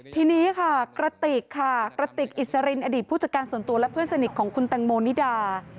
ทีนี้ค่ะกระติกค่ะกระติกอิสรินอดีตผู้จัดการส่วนตัวและเพื่อนสนิทของคุณแตงโมนิดา